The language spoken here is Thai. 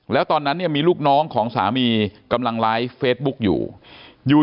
แล้วตอนนั้นมีลูกน้องของสามีกำลังไลฟ์เฟสบุ๊คอยู่